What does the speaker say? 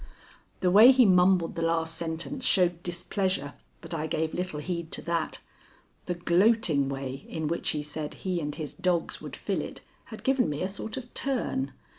The way he mumbled the last sentence showed displeasure, but I gave little heed to that. The gloating way in which he said he and his dogs would fill it had given me a sort of turn.